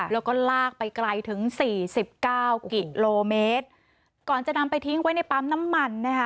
แล้วก็ลากไปไกลถึงสี่สิบเก้ากิโลเมตรก่อนจะนำไปทิ้งไว้ในปั๊มน้ำมันนะคะ